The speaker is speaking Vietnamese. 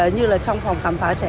như là trong phòng khám phá trẻ em